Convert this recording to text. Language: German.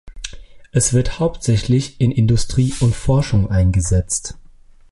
Es wird hauptsächlich in Industrie und Forschung eingesetzt.